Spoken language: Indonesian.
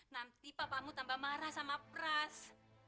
nanti bapakmu tambah marah sama pras